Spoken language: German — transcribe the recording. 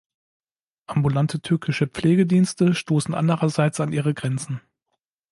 Ambulante türkische Pflegedienste stoßen andererseits an ihre Grenzen.